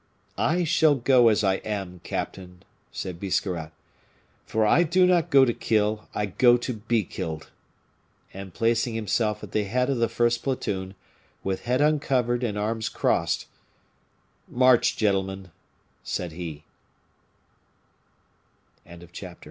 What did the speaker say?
"I shall go as I am, captain," said Biscarrat, "for I do not go to kill, I go to be killed." And placing himself at the head of the first platoon, with head uncovered and arms crossed, "March, gentlemen," said he. Chapter XLIX.